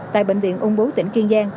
tại bệnh viện úng bố tỉnh kiên giang